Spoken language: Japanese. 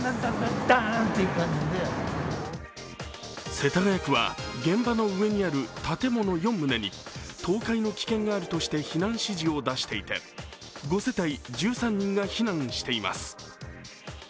世田谷区は、現場の上にある建物４棟に倒壊の危険があるとして避難指示を出していて５世帯１３人が避難しています。